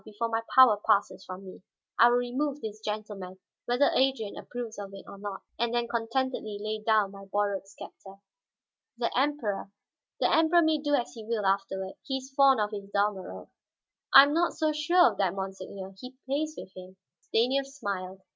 Before my power passes from me, I will remove this gentleman, whether Adrian approves of it or not; and then contentedly lay down my borrowed scepter." "The Emperor " "The Emperor may do as he will, afterward. He is fond of his Dalmorov." "I am not so sure of that, monseigneur; he plays with him." Stanief smiled.